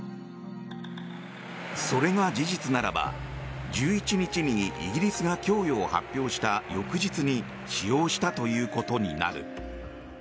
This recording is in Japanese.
それが事実ならば、１１日にイギリスが供与を発表した翌日に使用したということになる。